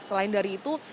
selain dari itu